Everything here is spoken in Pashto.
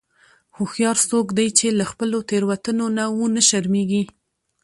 هوښیار څوک دی چې له خپلو تېروتنو نه و نه شرمیږي.